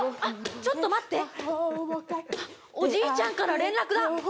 あっちょっと待っておじいちゃんから連絡だ